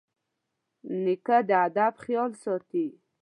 نیکه د ادب خیال ساتي.